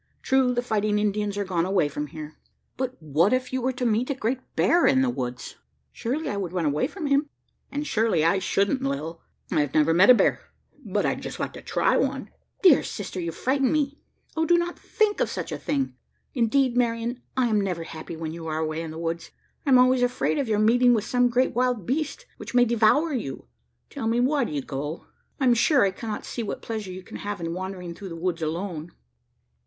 True, the fighting Indians are gone away from here; but what if you were to meet a great hear in the woods?" "Surely I should run away from him." "And surely I shouldn't, Lil. I have never met a bear, but I'd just like to try one." "Dear sister, you frighten me. Oh, do not think of such a thing! Indeed, Marian, I am never happy when you are away in the woods. I am always afraid of your meeting with some great wild beast, which may devour you. Tell me, why do you go? I am sure I cannot see what pleasure you can have in wandering through the woods alone."